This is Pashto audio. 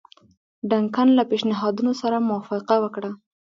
ډنکن له پېشنهادونو سره موافقه وکړه.